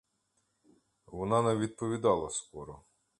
Вона не відповідала скоро.